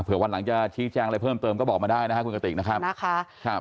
เพื่อวันหลังจะชี้แจงอะไรเพิ่มเติมก็บอกมาได้นะครับคุณกติกนะครับ